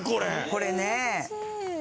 これね。